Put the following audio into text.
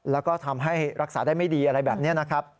แล้วก็ทำให้รักษาได้ไม่ดีอะไรแบบนี้นะครับ